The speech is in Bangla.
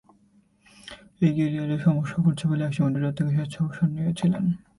এটি ক্যারিয়ারে সমস্যা করছে বলে একসময় টুইটার থেকে স্বেচ্ছা অবসরও নিয়েছিলেন।